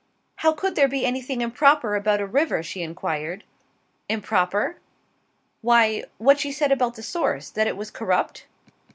"How could there be anything improper about a river?" she enquired. "Improper?" "Why, what she said about the source that it was corrupt?"